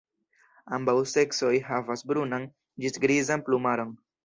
Ambaŭ seksoj havas brunan ĝis grizan plumaron.